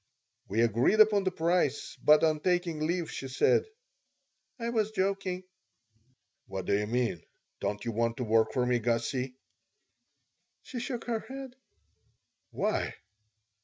We agreed upon the price, but on taking leave she said, "I was joking." "What do you mean? Don't you want to work for me, Gussie?" She shook her head "Why?"